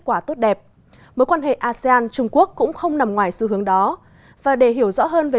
quả tốt đẹp mối quan hệ asean trung quốc cũng không nằm ngoài xu hướng đó và để hiểu rõ hơn về